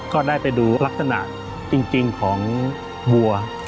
ก็ได้ไปดูลักษณะจริงของวัว